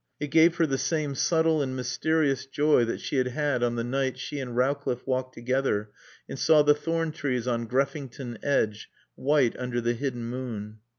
It gave her the same subtle and mysterious joy that she had had on the night she and Rowcliffe walked together and saw the thorn trees on Greffington Edge white under the hidden moon.